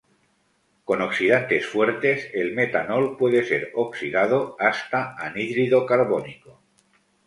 Con oxidantes fuertes el metanol puede ser oxidado hasta anhídrido carbónico.